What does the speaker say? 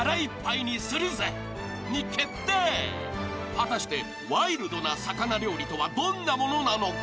［果たしてワイルドな魚料理とはどんなものなのか？］